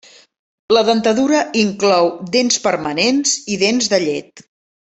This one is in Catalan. La dentadura inclou dents permanents i dents de llet.